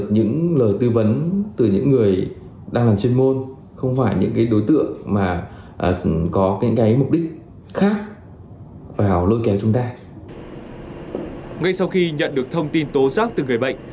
ngay sau khi nhận được thông tin tố giác từ người bệnh